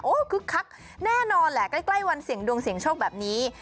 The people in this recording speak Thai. คึกคักแน่นอนแหละใกล้วันเสี่ยงดวงเสี่ยงโชคแบบนี้